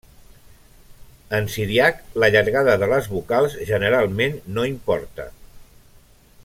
En siríac, la llargada de les vocals generalment no importa.